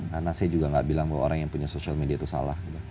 karena saya juga nggak bilang bahwa orang yang punya social media itu salah